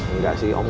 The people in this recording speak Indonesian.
enggak sih om